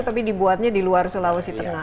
tapi dibuatnya di luar sulawesi tengah